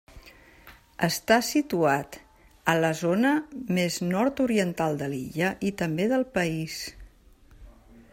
Està situat a la zona més nord-oriental de l'illa i també del país.